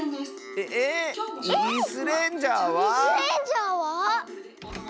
えっ⁉「イスレンジャー」は？